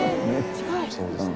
近い。